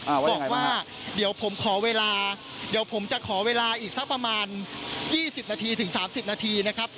บอกว่าเดี๋ยวผมขอเวลาเดี๋ยวผมจะขอเวลาอีกสักประมาณยี่สิบนาทีถึงสามสิบนาทีนะครับ